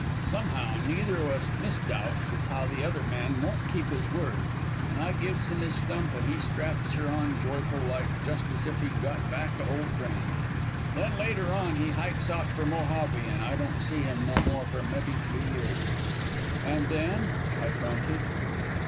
"Somehow neither o' us misdoubts as how the other man won't keep his word; an' I gives him his stump, an' he straps her on joyful like, just as if he'd got back a ole friend. Then later on he hikes out for Mojave and I don' see him no more for mebbee three years." "And then?" I prompted.